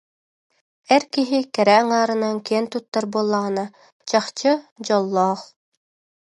Эр киһи кэрэ аҥаарынан киэн туттар буоллаҕына, чахчы, дьоллоох